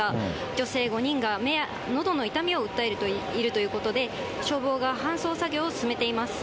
女性５人が目やのどの痛みを訴えているということで、消防が搬送作業を進めています。